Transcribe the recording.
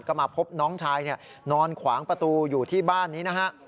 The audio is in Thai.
ก็มาพบน้องชายนอนขวางประตูอยู่ที่บ้านนี้นะฮะ